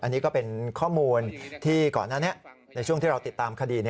อันนี้ก็เป็นข้อมูลที่ก่อนหน้านี้ในช่วงที่เราติดตามคดี